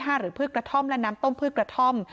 หรือพืชกระท่อมและน้ำต้มพืชกระท่อม